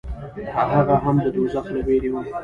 هغه هم د دوزخ له وېرې و.